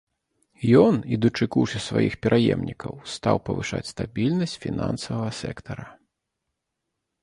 Ён, ідучы курсе сваіх пераемнікаў, стаў павышаць стабільнасць фінансавага сектара.